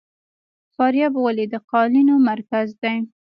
فاریاب ولې د قالینو مرکز دی؟